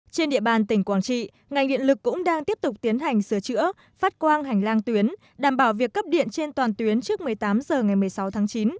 trên địa bàn tỉnh quảng trị ngành điện lực cũng đang tiếp tục tiến hành sửa chữa phát quang hành lang tuyến đảm bảo việc cấp điện trên toàn tuyến trước một mươi tám h ngày một mươi sáu tháng chín